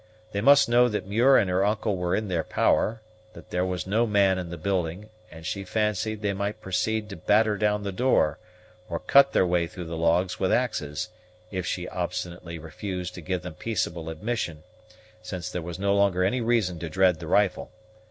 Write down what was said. They must know that Muir and her uncle were in their power; that there was no man in the building, and she fancied they might proceed to batter down the door, or cut their way through the logs with axes, if she obstinately refused to give them peaceable admission, since there was no longer any reason to dread the rifle.